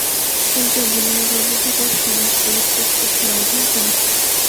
কিন্তু বিনয়বাবু কি তাঁর সমাজ পরিত্যাগ করতে রাজি হবেন?